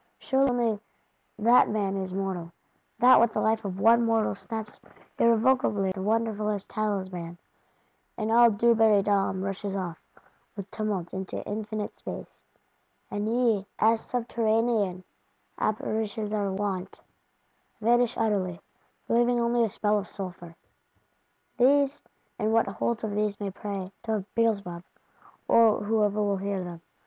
Sure only that man is mortal; that with the life of one mortal snaps irrevocably the wonderfulest talisman, and all Dubarrydom rushes off, with tumult, into infinite Space; and ye, as subterranean Apparitions are wont, vanish utterly,—leaving only a smell of sulphur! These, and what holds of these may pray,—to Beelzebub, or whoever will hear them.